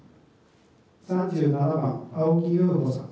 ３７番青木宙帆さん。